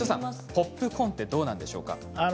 ポップコーンってどうなんでしょうか。